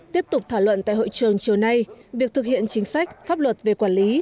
tiếp tục thảo luận tại hội trường chiều nay việc thực hiện chính sách pháp luật về quản lý